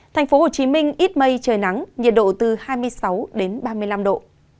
thành phố hồ chí minh ít mây trời nắng nhiệt độ từ hai mươi sáu đến ba mươi năm độ